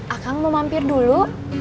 akang mau mampir dulu